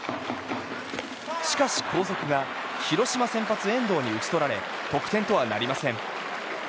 しかし後続が広島先発、遠藤に打ち取られ得点とはなりません。